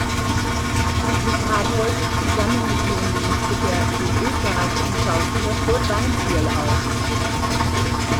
Sie trat häufig zusammen mit ihrem Lebensgefährten, dem österreichischen Schauspieler Kurt Weinzierl auf.